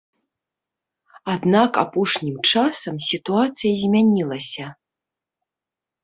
Аднак апошнім часам сітуацыя змянілася.